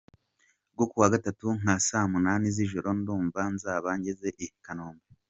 rwo Kuwa Gatatu nka saa munani z’ijoro ndumva nzaba ngeze i Kanombe”.